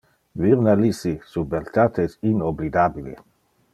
Virna Lisi, su beltate es inoblidabile.